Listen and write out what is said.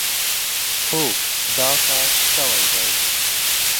هو، دا کار شوی دی.